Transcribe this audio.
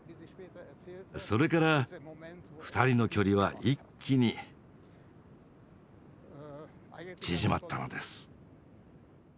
それから２人の距離は一気に縮まったのです。